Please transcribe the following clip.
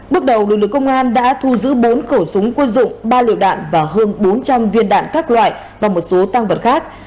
bước đầu lực lượng công an đã thu giữ bốn khẩu súng quân dụng ba liều đạn và hơn bốn trăm linh viên đạn các loại và một số tăng vật khác